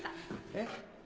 えっ？